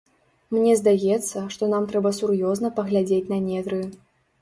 Мне здаецца, што нам трэба сур'ёзна паглядзець на нетры.